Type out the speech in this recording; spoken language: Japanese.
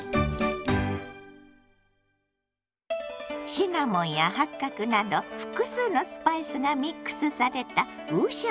シナモンや八角など複数のスパイスがミックスされた五香粉。